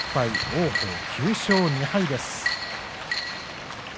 王鵬、９勝２敗です。